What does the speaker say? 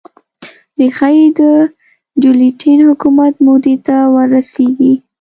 ریښه یې د ډیوکلتین حکومت مودې ته ور رسېږي